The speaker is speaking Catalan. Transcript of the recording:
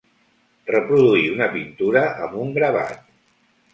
Reproduir una pintura amb un gravat.